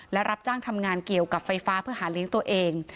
และรับจ้างทำงานเกี่ยวกับไฟฟ้าเพื่อหาเลี้ยงตัวเอง